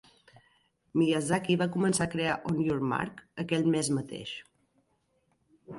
Miyazaki va començar a crear "On Your Mark" aquell mes mateix.